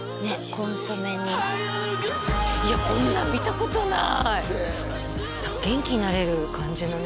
コンソメにいやこんなん見たことないきれい元気になれる感じのね